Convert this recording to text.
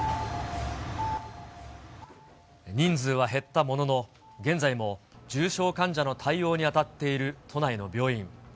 人数は減ったものの、現在も重症患者の対応に当たっている都内の病院。